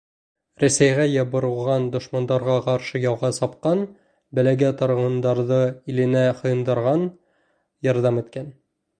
Рәсәйгә ябырылған дошмандарға ҡаршы яуға сапҡан, бәләгә тарығандарҙы иленә һыйындырған, ярҙам иткән...